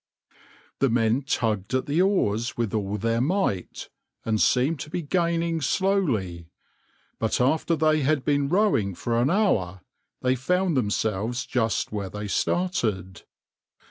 \par The men tugged at the oars with all their might, and seemed to be gaining slowly; but after they had been rowing for an hour they found themselves just where they started.